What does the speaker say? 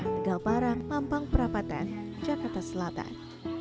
negaparang pampang perapatan jakarta selatan